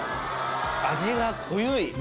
味が濃ゆい！